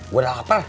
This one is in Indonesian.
gua udah lapar